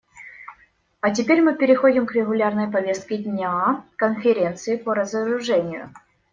А теперь мы переходим к регулярной повестке дня Конференции по разоружению.